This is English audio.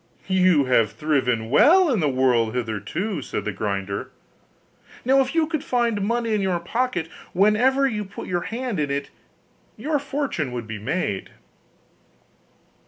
'You have thriven well in the world hitherto,' said the grinder, 'now if you could find money in your pocket whenever you put your hand in it, your fortune would be made.